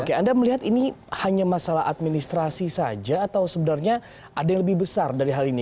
oke anda melihat ini hanya masalah administrasi saja atau sebenarnya ada yang lebih besar dari hal ini